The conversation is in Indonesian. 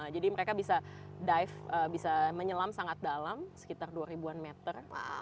jadi mereka bisa dive bisa menyelam sangat dalam sekitar dua ribu meter